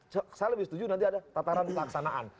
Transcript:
saya lebih setuju nanti ada tataran pelaksanaan